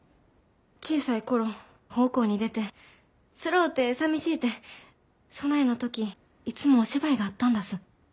小さい頃奉公に出てつろうてさみしいてそないな時いつもお芝居があったんだす。